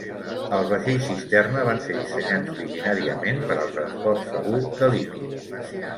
Els vaixells cisterna van ser dissenyats originàriament per al transport segur de líquids.